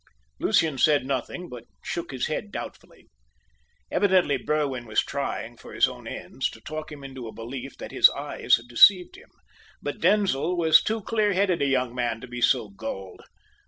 Lucian said nothing, but shook his head doubtfully. Evidently Berwin was trying, for his own ends, to talk him into a belief that his eyes had deceived him; but Denzil was too clear headed a young man to be so gulled.